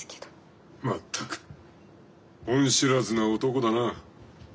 全く恩知らずな男だな。